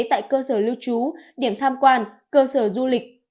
tại cơ sở lưu trú điểm tham quan cơ sở du lịch